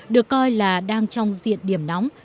được coi là đang trong diện điểm nóng